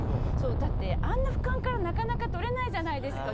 だって、あんな俯瞰からなかなか撮れないじゃないですか。